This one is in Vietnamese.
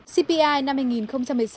cpi năm hai nghìn một mươi bảy